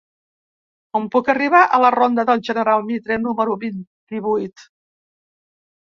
Com puc arribar a la ronda del General Mitre número vint-i-vuit?